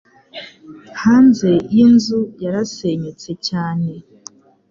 Hanze yinzu yarasenyutse cyane.